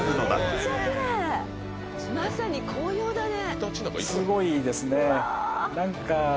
まさに紅葉だね。